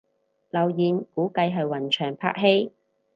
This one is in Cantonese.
留言估計係雲翔拍戲